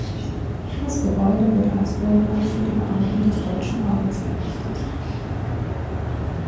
Das Gebäude wurde als Wohnhaus für die Beamten des Deutschen Ordens errichtet.